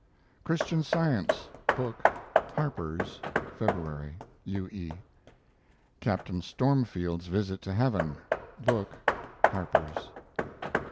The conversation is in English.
CHRISTIAN SCIENCE book (Harpers), February. U. E. CAPTAIN STORMFIELD'S VISIT To HEAVEN book (Harpers).